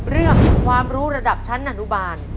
เรื่องความรู้ระดับชั้นอนุบาล